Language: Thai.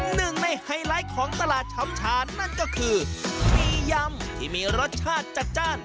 หนึ่งในไฮไลท์ของตลาดชำชาญนั่นก็คือมียำที่มีรสชาติจัดจ้าน